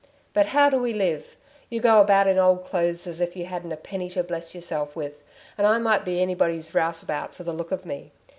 "But how do we live? You go about in old clothes as if you hadn't a penny to bless yourself with; and I might be anybody's rouseabout for the look of me.